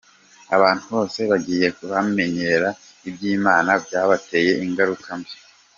Abantu bose bagiye bamenyera iby’Imana, byabateye ingaruka mbi.